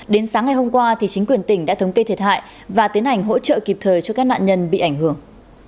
đến sáng ngày hôm qua chính quyền tỉnh đã thống kê thiệt hại và tiến hành hỗ trợ kịp thời cho các nạn nhân bị ảnh hưởng